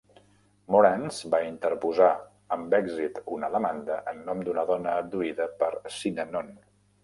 Morantz va interposar amb èxit una demanda en nom d'una dona abduïda per Synanon.